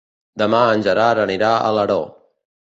Demà en Gerard anirà a Alaró.